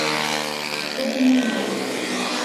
Тудо мемнан...